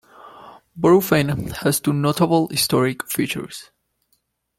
Borough Fen has two notable historic features.